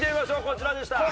こちらでした。